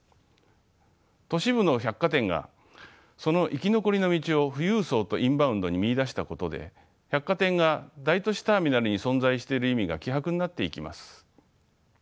都市部の百貨店がその生き残りの道を富裕層とインバウンドに見いだしたことで百貨店が大都市ターミナルに存在している意味が希薄になっていきます。